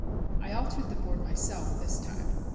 I altered the board myself this time.